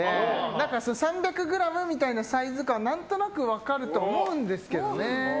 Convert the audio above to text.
だから３００ｇみたいなサイズ感は何となく分かると思うんですけどね。